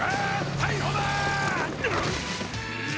逮捕だー！